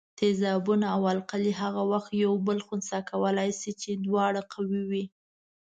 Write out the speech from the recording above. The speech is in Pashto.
تیزابونه او القلي هغه وخت یو بل خنثي کولای شي چې دواړه قوي وي.